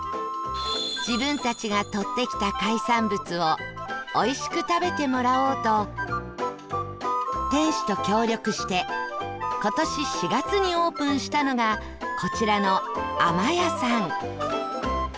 自分たちがとってきた海産物をおいしく食べてもらおうと店主と協力して今年４月にオープンしたのがこちらの ＡＭＡＹＡ さん